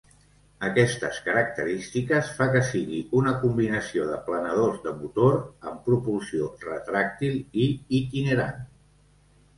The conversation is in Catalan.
Aquestes característiques fa que sigui una combinació de planadors de motor amb propulsió retràctil i itinerant.